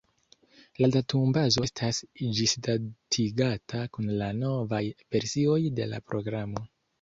La datumbazo estas ĝisdatigata kun la novaj versioj de la programo.